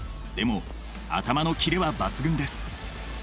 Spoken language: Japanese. でも頭のキレは抜群です。